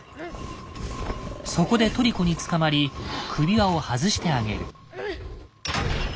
そこでトリコにつかまり首輪を外してあげる。